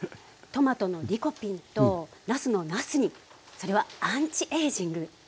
トマトのリコピンとなすのなすにそれはアンチエイジング効果が。